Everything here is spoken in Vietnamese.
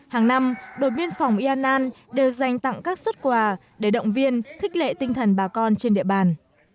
hàng năm đội biên phòng yannan đều dành tặng các xuất quà để động viên thích lệ tinh thần bà con trên địa bàn